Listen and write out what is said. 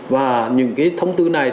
và những thông tư này